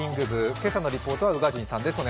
今朝のリポートは宇賀神さんです。